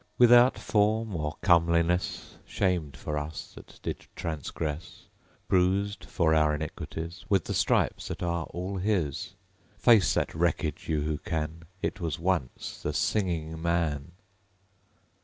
Without form or comeliness; Shamed for us that did transgress; Bruised, for our iniquities, With the stripes that are all his! Face that wreckage, you who can. It was once the Singing Man.